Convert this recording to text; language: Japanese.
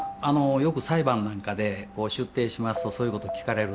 よく裁判なんかで出廷しますとそういうこと聞かれるんですけれども